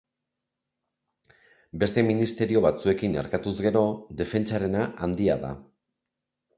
Beste ministerio batzuekin erkatuz gero, defentsarena handia da.